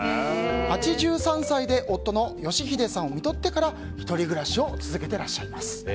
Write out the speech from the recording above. ８３歳で夫の良英さんをみとってから１人暮らしを続けていらっしゃいます。